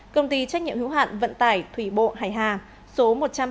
công ty trách nhiệm hữu hạn vận tải thủy bộ hải hà số một trăm ba mươi hai